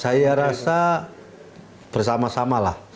saya rasa bersama samalah